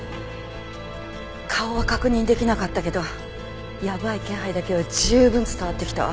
顔は確認できなかったけどやばい気配だけは十分伝わってきたわ。